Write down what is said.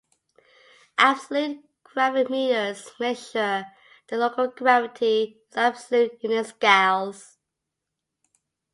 Absolute gravimeters measure the local gravity in absolute units, gals.